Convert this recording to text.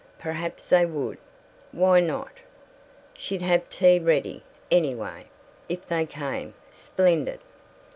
Perhaps they would. Why not? She'd have tea ready, anyway. If they came splendid.